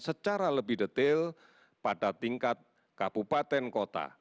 secara lebih detail pada tingkat kabupaten kota